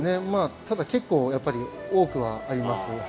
ただ、結構多くはあります。